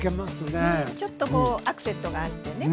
ねっちょっとアクセントがあってね。